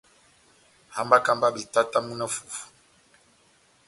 Hambaka mba betatamu na fufu.